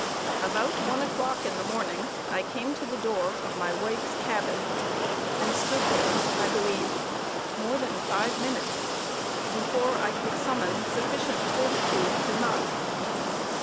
About one o'clock in the morning, I came to the door of my wife's cabin, and stood there, I believe, more than five minutes, before I could summon sufficient fortitude to knock.